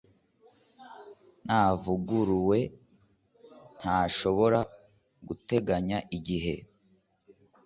avuguruwe ntashobora guteganya igihe